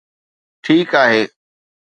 ٺيڪ آهي